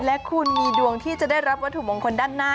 และคุณมีดวงที่จะได้รับวัตถุมงคลด้านหน้า